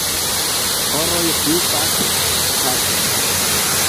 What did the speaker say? Horoj plu pasis, pasis.